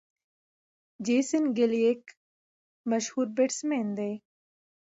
جیسن ګيل یک مشهور بيټسمېن دئ.